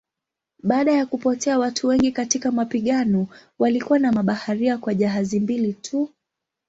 Baada ya kupotea watu wengi katika mapigano walikuwa na mabaharia kwa jahazi mbili tu.